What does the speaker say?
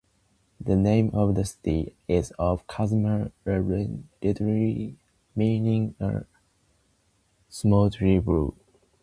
The name of the city is of Kazakh origin literally meaning "a smoky-blue mountain".